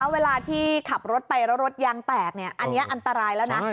เวลาที่ขับรถไปแล้วรถยางแตกอันนี้อันตรายแล้วนะ